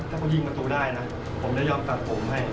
ถ้าเขายิงประตูได้นะผมจะยอมตัดผมให้